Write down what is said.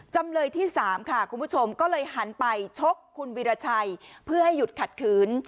จำเลยที่๓ค่ะคุณผู้ชมก็เลยหันไปชกคุณวิราชัยเพื่อให้หยุดขัดขืน